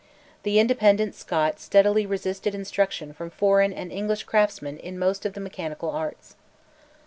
The independent Scot steadily resisted instruction from foreign and English craftsmen in most of the mechanical arts.